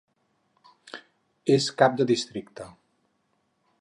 És cap de districte.